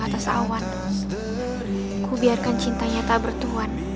atas awan ku biarkan cintanya tak bertuan